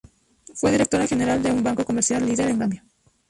Fue Directora General de un banco comercial líder en Gambia.